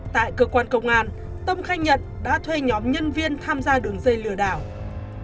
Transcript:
tại cơ quan công an tâm khai nhật đã thuê nhóm nhân viên tham gia đường dây lượm